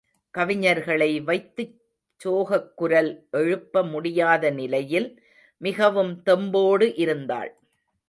கவிஞர்களை வைத்துச் சோகக்குரல் எழுப்ப முடியாத நிலையில் மிகவும் தெம்போடு இருந்தாள்.